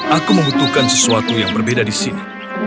aku membutuhkan sesuatu yang berbeda di sini